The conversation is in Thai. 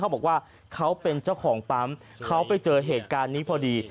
บอกว่าเขาเป็นเจ้าของปั๊มเขาไปเจอเหตุการณ์นี้พอดี